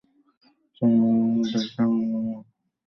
Sir, আমরা ধর্ষণের মামলা না করি।